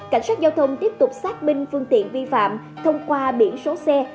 cảnh sát giao thông tiếp tục xác minh phương tiện vi phạm thông qua biển số xe